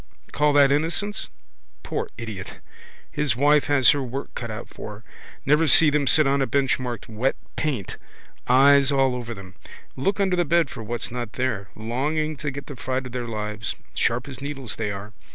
Call that innocence? Poor idiot! His wife has her work cut out for her. Never see them sit on a bench marked Wet Paint. Eyes all over them. Look under the bed for what's not there. Longing to get the fright of their lives. Sharp as needles they are.